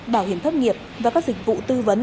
bảo hiểm thất nghiệp và các dịch vụ tư vấn